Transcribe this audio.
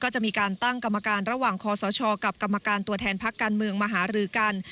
จะมีการตั้งกรรมการระหว่างคอสชกับกรรมการตัวแทนพักการเมืองมาหารือกัน